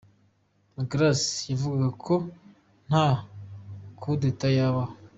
Grace yavugaga ko nta kudeta yabaho.